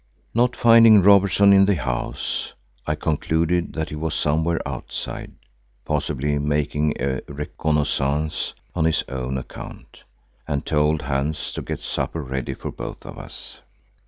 Not finding Robertson in the house, I concluded that he was somewhere outside, possibly making a reconnaissance on his own account, and told Hans to get supper ready for both of us.